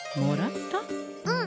うん。